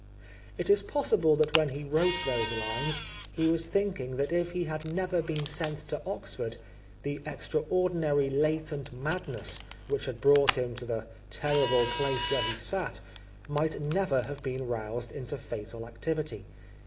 It is possible that when he wrote those lines he was thinking that if he had never been sent to Oxford, the extraordinary latent madness which had brought him to the terrible place where he sat, might never have been roused into fatal activity.